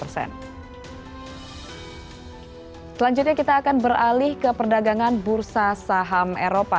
selanjutnya kita akan beralih ke perdagangan bursa saham eropa